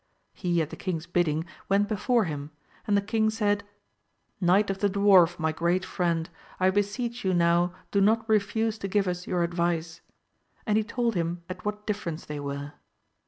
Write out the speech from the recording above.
He at the king's bidding went before him, and the king said, Enight of the Dwarf my great friend, I beseech you now do not refuse to give us your advice, and he told him at what differ ence they were.